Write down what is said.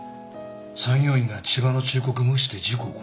作業員が千葉の忠告無視して事故起こした。